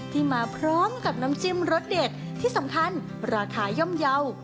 ที่มาพร้อมกับน้ำจิ้มรสเด็ดที่สำคัญราคาย่อมเยาว์